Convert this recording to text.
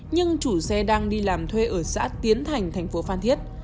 nhưng chủ xe đang đi làm thuê ở xã tiến thành tp phan thiết